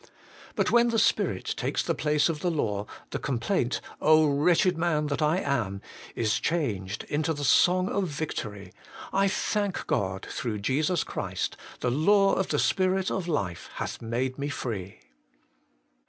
But when the Spirit takes the place of the law, the complaint, ' O wretched man that I am,' is changed into the 180 HOLY IN CHRIST. song of victory :' I thank God, through Jesus Christ, the law of the Spirit of life hath made me free.'